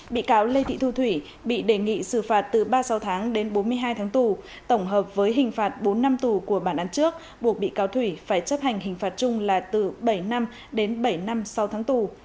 bị cáo lê thị thu thủy bị đề nghị xử phạt từ ba mươi sáu tháng đến bốn mươi hai tháng tù tổng hợp với hình phạt bốn năm tù của bản án trước buộc bị cáo thủy phải chấp hành hình phạt chung là từ bảy năm đến bảy năm sau tháng tù